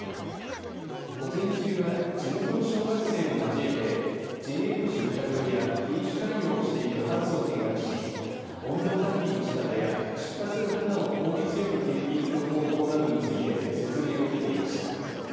午前中は地元の小学生も交えてＪＡの出荷場や品種改良しているハウスを見学し温度管理の仕方や出荷する花を効率よく検品する方法などについて説明を受けていました。